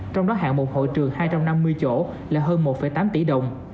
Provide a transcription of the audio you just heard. trong đó hạng mục hội trường hai trăm năm mươi chỗ là hơn một tám tỷ đồng